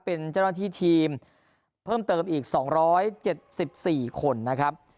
เป็นเจ้าหน้าที่ทีมเพิ่มเติมอีก๒๗๔คนนะครับ